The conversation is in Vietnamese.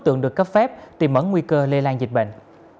tượng được cấp phép tìm ẩn nguy cơ lây lan dịch bệnh